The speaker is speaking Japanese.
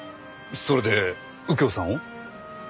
それで右京さんを？